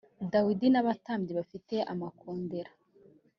dawidi n abatambyi bafite amakondera